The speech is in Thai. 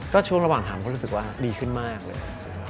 ก็ช่วงระหว่างถามก็รู้สึกว่าดีขึ้นมากเลย